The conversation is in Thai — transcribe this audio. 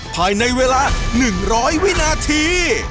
ภายในเวลา๑๐๐วินาที